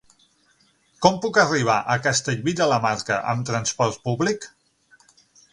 Com puc arribar a Castellví de la Marca amb trasport públic?